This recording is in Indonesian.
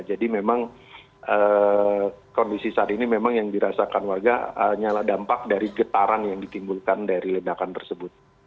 jadi memang kondisi saat ini memang yang dirasakan warga nyala dampak dari getaran yang ditimbulkan dari ledakan tersebut